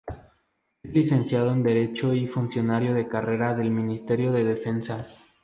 Es licenciado en Derecho y funcionario de carrera del Ministerio de Defensa.